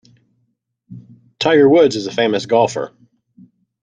Tiger Woods is a famous golfer.